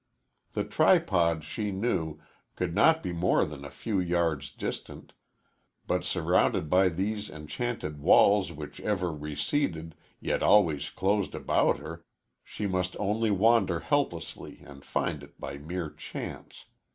The tripod, she knew, could not be more than a few yards distant, but surrounded by these enchanted walls which ever receded, yet always closed about her she must only wander helplessly and find it by mere chance.